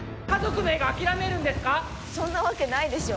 そんな訳ないでしょ！